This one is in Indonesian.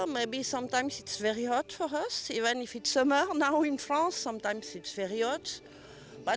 mungkin kadang kadang sangat panas untuk kita bahkan kalau hujan sekarang di perancis kadang kadang sangat panas